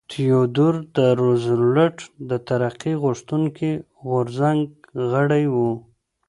تیودور روزولټ د ترقي غوښتونکي غورځنګ غړی و.